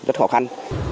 rất khó khăn